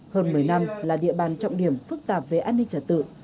hơn một mươi năm là địa bàn trọng điểm phức tạp về an ninh trả tự